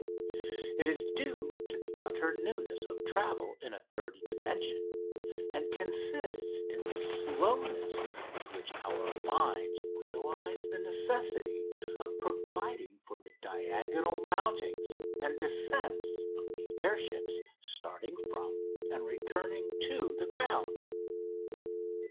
It is due to the utter newness of travel in a third dimension, and consists in the slowness with which our minds realise the necessity of providing for the diagonal mountings and descents of the air ships starting from and returning to the ground.